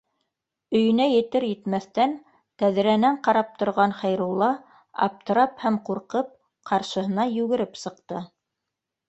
Өйөнә етер-етмәҫтән, тәҙрәнән ҡарап торған Хәйрулла, аптырап һәм ҡурҡып, ҡаршыһына йүгереп сыҡты